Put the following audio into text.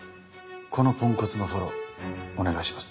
このポンコツのフォローお願いします。